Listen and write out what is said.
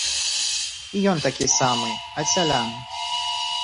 І ён такі самы, ад сялян.